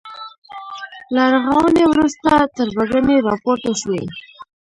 له رغاونې وروسته تربګنۍ راپورته شوې.